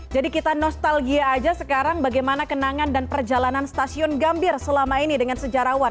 jadi kita nostalgia aja sekarang bagaimana kenangan dan perjalanan stasiun gambir selama ini dengan sejarawan